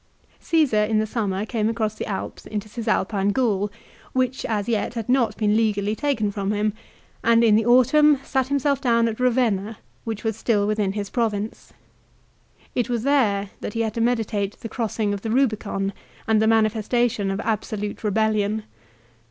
Csesar in the summer came across the Alps into Cis alpine Gaul, which as yet had cot been legally taken from him, and in the autumn sat himself down at Eavenna which was still within his province. It was there that he had to meditate the crossing of the Eubicon and the manifestation of absolute rebellion.